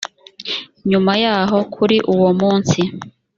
nyuma yaho kuri uwo munsi